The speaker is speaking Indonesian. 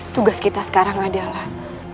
tugas kita sekarang adalah